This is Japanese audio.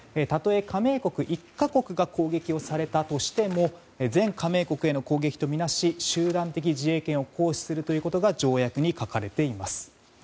たとえ加盟国１か国が攻撃されたとしても全加盟国への攻撃とみなし集団的自衛権を行使するということが条約に書かれています。